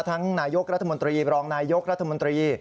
นายกรัฐมนตรีรองนายยกรัฐมนตรี